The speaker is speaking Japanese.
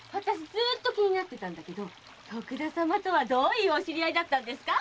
ずーっと気になってたんだけど徳田様とはどういうお知り合いだったんですか？